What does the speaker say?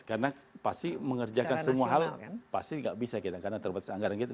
karena pasti mengerjakan semua hal pasti tidak bisa kita karena terbatas anggaran kita